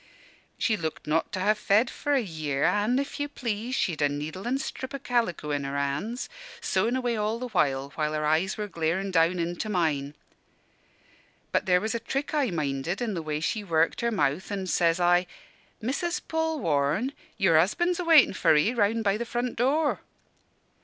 She looked not to ha' fed for a year; an', if you please, she'd a needle and strip o' calico in her hands, sewin' away all the while her eyes were glarin' down into mine. "But there was a trick I minded in the way she worked her mouth, an' says I, 'Missus Polwarne, your husband's a waitin' for 'ee, round by the front door.'